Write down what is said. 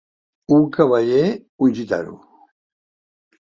Un cavaller, un gitano.